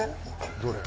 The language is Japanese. どれ？